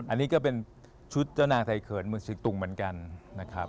อันนี้ก็เป็นชุดเจ้านางไทยเขินเมืองศึกตุงเหมือนกันนะครับ